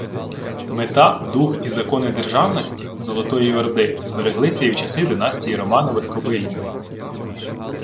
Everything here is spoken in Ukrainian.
Мета, дух і «закони державності» Золотої Орди збереглися і в часи династії Романових-Кобиліних